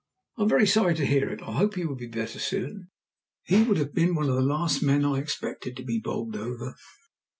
"I am very sorry to hear it, I hope he will be better soon. He would have been one of the last men I should have expected to be bowled over.